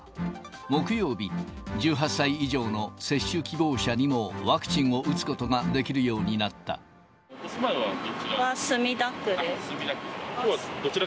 木曜日、１８歳以上の接種希望者にもワクチンを打つことができるようになお住まいはどちら？